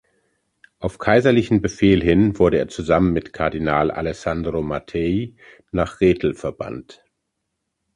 Auf kaiserlichen Befehl hin wurde er zusammen mit Kardinal Alessandro Mattei nach Rethel verbannt.